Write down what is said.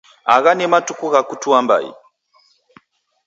Agha ni matuku gha kutua mbai.